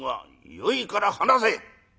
「よいから話せ！」。